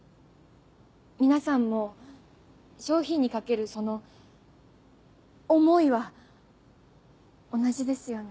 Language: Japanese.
皆さんも商品にかけるその「思い」は同じですよね？